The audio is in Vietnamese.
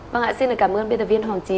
vâng ạ xin cảm ơn biên tập viên hoàng trí